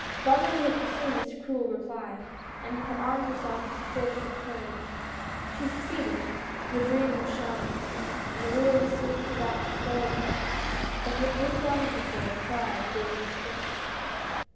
Bonne Marie had foreseen this cruel reply, and had armed herself to support it with courage. She succeeded. Her dream was shattered, and the ruins seemed about to swallow her up ; but her indomi table pride gave her strength.